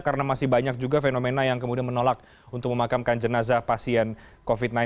karena masih banyak juga fenomena yang kemudian menolak untuk memakamkan jenazah pasien covid sembilan belas